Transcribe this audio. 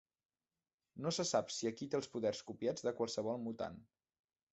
No se sap si aquí té els poders copiats de qualsevol mutant.